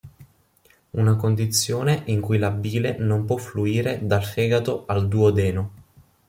Una condizione in cui la bile non può fluire dal fegato al duodeno.